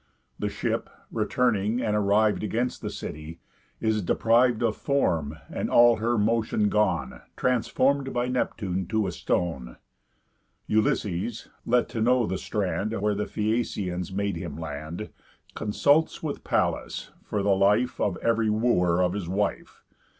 The ship (returning, and arriv'd Against the city) is depriv'd Of form, and, all her motion gone, Transform'd by Neptune to a stone. Ulysses (let to know the strand Where the Phæacians made him land) Consults with Pallas, for the life Of ev'ry wooer of his wife.